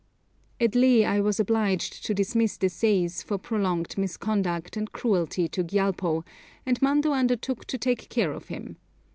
At Leh I was obliged to dismiss the seis for prolonged misconduct and cruelty to Gyalpo, and Mando undertook to take care of him.